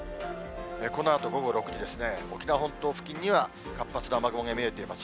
このあと午後６時ですね、沖縄本島付近には活発な雨雲が見えています。